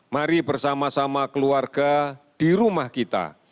mari bersama sama keluarga di rumah kita